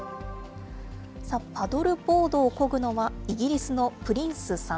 パドルボードを漕ぐのはイギリスのプリンスさん。